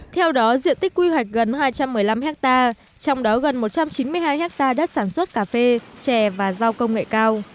theo đó diện tích quy hoạch gần hai trăm một mươi năm ha trong đó gần một trăm chín mươi hai ha đất sản xuất cà phê chè và giao công nghệ cao